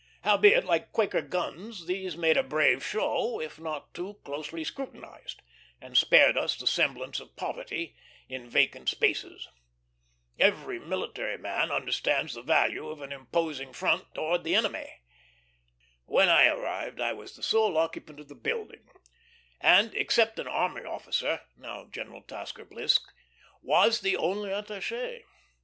Howbeit, like Quaker guns, these made a brave show if not too closely scrutinized, and spared us the semblance of poverty in vacant spaces. Every military man understands the value of an imposing front towards the enemy. When I arrived, I was the sole occupant of the building; and except an army officer now General Tasker Bliss was the only attaché.